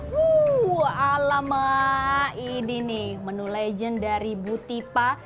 wuuu alamak ini nih menu legend dari bu tipah